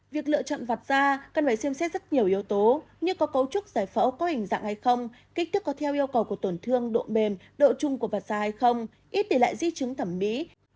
việc lựa chọn vặt ra cần phải xem xét rất nhiều yếu tố như có cấu trúc giải phẫu có hình dạng hay không kích thước có theo yêu cầu của tổn thương độ mềm độ trung của vặt ra hay không ít để lại di chứng thẩm mỹ